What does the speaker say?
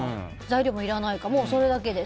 材料もいらないから、それだけで。